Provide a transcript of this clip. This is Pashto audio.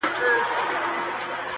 بس تیندکونه خورمه -